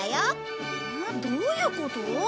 どういうこと？